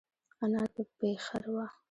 انار په پېخر وه.